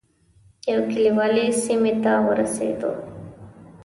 یو کلیوالي سیمې ته ورسېدو.